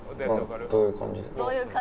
どういう感じで？